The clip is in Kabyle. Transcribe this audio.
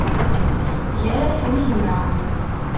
Gar-asen gma.